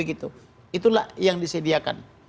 itulah yang disediakan